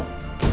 dia nggak butuh